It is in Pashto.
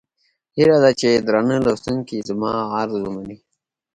هيله ده چې درانه لوستونکي زما عرض ومني.